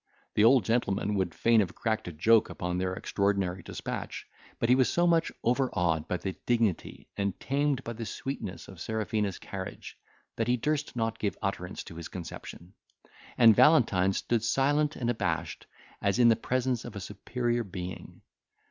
The old gentleman would fain have cracked a joke upon their extraordinary despatch, but he was so much overawed by the dignity and tamed by the sweetness of Serafina's carriage, that he durst not give utterance to his conception; and Valentine stood silent and abashed, as in the presence of a superior being.